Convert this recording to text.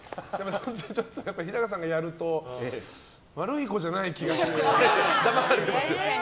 日高さんがやると悪い子じゃない気がして。